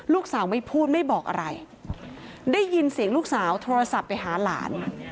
ลูกสาวไม่พูดไม่บอกอะไรได้ยินเสียงลูกสาวโทรศัพท์ไปหาหลาน